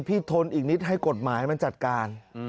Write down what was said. ทนอีกนิดให้กฎหมายมันจัดการ